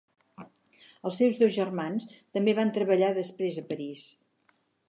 Els seus dos germans també van treballar després a París.